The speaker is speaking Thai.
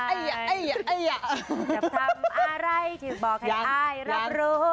อัตเขลเดี๋ยวทำอะไรที่บอกให้อ้ายรับรู้